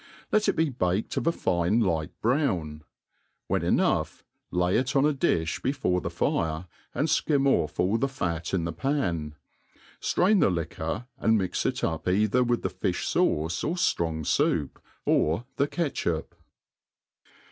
Let it be baked of a fine light brown when enough, lay it on a di(h before the fire, and fkim oiF all the fat in the pan ; ftrain the liquor, and mix it up either with the fiih fauce or ftrong foup, or the catchup.